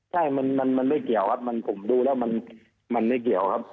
ใช่มันไม่เกี่ยวครับผมดูแล้วมันไม่เกี่ยวครับ